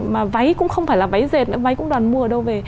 mà váy cũng không phải là váy dệt nữa váy cũng đoàn mua đâu về